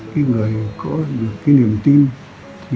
khi người có được cái niềm tin